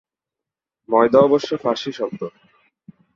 ময়দা অবশ্য ফারসি শব্দ।